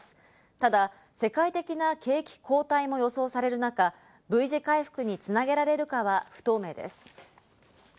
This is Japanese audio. ただ、世界的な景気後退も予想される中、Ｖ字回復につなげられるかは不透明です。